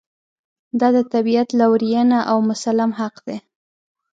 دا د طبعیت لورېینه او مسلم حق دی.